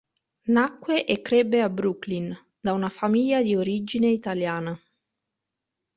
Nacque e crebbe a Brooklyn da una famiglia di origine italiana.